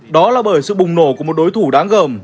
đó là bởi sự bùng nổ của một đối thủ đáng gồm